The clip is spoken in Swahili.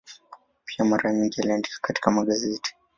Pia mara nyingi aliandika katika magazeti.